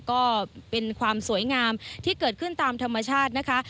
ก็เป็นความสวยงามที่เกิดขึ้นตามธรรมชาตินะคะ